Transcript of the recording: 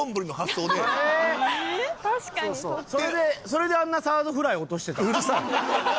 それであんなサードフライ落としてた。